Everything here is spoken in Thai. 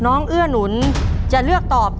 น้องป๋องเลือกเรื่องระยะทางให้พี่เอื้อหนุนขึ้นมาต่อชีวิต